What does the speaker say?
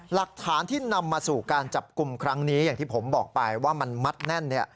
หลักฐานที่นำมาสู่การจับกลุ่มครั้งนี้อย่างที่ผมบอกไปว่ามันมัดแน่น